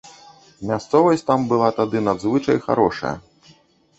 Мясцовасць там была тады надзвычай харошая.